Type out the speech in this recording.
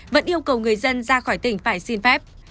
vẫn yêu cầu người dân ra khỏi tỉnh phải xin phép